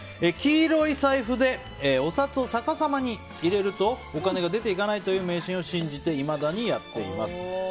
黄色い財布でお札を逆さまに入れるとお金が出て行かないという迷信を信じていまだにやっています。